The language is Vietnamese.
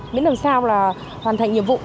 biến làm sao là hoàn thành nhiệm vụ